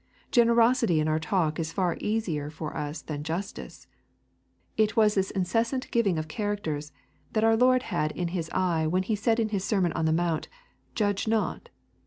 Generosity in our talk is far easier for us than justice. It was this incessant giving of characters that our Lord had in His eye when He said in His Sermon on the Mount, Judge not.